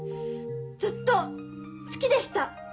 ずっと好きでした。